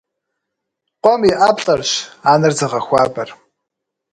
Къуэм и ӏэплӏэрщ анэр зыгъэхуабэр.